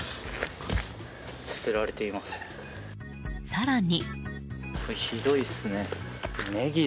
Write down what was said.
更に。